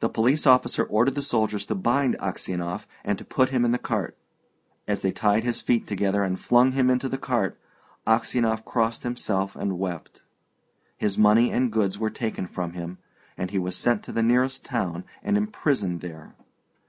The police officer ordered the soldiers to bind Aksionov and to put him in the cart. As they tied his feet together and flung him into the cart, Aksionov crossed himself and wept. His money and goods were taken from him, and he was sent to the nearest town and imprisoned there.